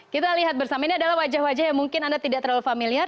kita lihat bersama ini adalah wajah wajah yang mungkin anda tidak terlalu familiar